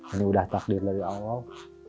ini udah takdir dari allah